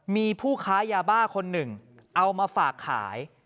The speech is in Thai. มีผู้ค้ายาบ้าคนหนึ่งเอามาฝากขาย